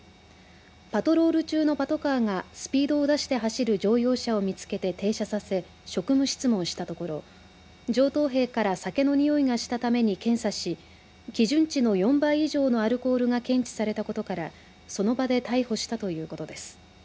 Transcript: パトロール中のパトカーがスピードを出して走る乗用車を見つけて、停車させ職務質問したところ上等兵から酒のにおいがしたために検査し基準値の４倍以上のアルコールが検知されたことからその場で逮捕したということです。